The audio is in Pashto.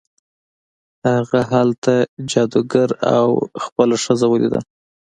هغه هلته جادوګر او خپله ښځه ولیدل.